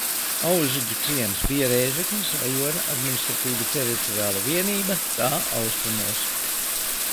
Auziņu ciems bija Rēzeknes rajona administratīvi teritoriāla vienība tā austrumos.